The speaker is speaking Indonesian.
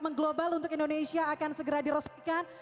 mengglobal untuk indonesia akan segera diresmikan